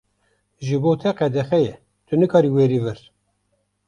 Ji bo te qedexe ye, tu nikarî werî vir.